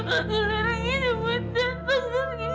kelarang edo buatnya